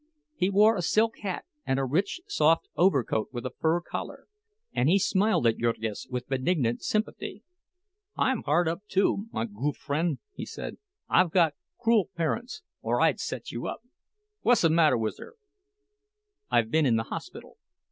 He wore a silk hat and a rich soft overcoat with a fur collar; and he smiled at Jurgis with benignant sympathy. "I'm hard up, too, my goo' fren'," he said. "I've got cruel parents, or I'd set you up. Whuzzamatter whizyer?" "I've been in the hospital."